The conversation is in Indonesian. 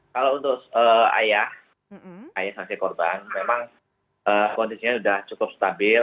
kalau untuk ayah ayah saksi korban memang kondisinya sudah cukup stabil